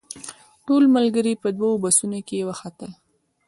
ټول ملګري په دوو بسونو کې وختل.